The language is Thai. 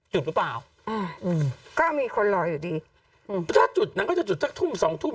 จุดหรือเปล่าอืมก็มีคนรออยู่ดีอืมถ้าจุดนั้นก็จะจุดสักทุ่มสองทุ่ม